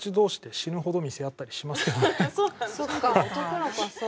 そっか男の子はそう。